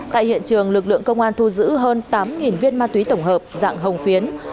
tại hiện trường lực lượng công an thu giữ hơn tám viên ma túy tổng hợp dạng hồng phiến